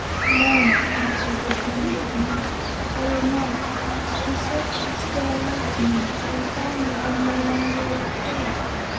"No," answered the Tin Woodman, "I did not. She said she still loved me, but I found that I no longer loved her.